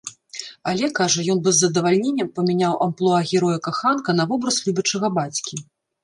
Але, кажа, ён бы з задавальненнем памяняў амплуа героя-каханка на вобраз любячага бацькі.